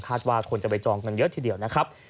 คาดว่าควรจะไปจองเงินเยอะทีเดียวนะครับ